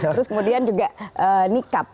terus kemudian juga nikab